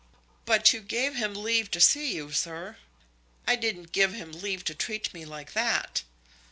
"But you gave him leave to see you, sir." "I didn't give him leave to treat me like that.